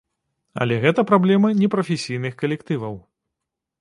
Але гэта праблема непрафесійных калектываў.